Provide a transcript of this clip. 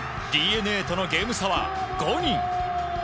ＤｅＮＡとのゲーム差は５に。